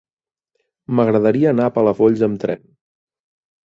M'agradaria anar a Palafolls amb tren.